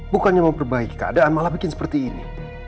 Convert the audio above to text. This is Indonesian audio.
bukannya mau perbaiki keadaan malah bikin seperti ini